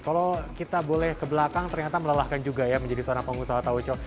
kalau kita boleh ke belakang ternyata melelahkan juga ya menjadi seorang pengusaha taoco